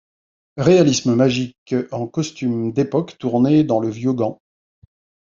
Réalisme magique en costumes d'époque, tourné dans le vieux Gand.